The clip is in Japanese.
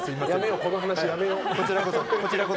この話、やめよう。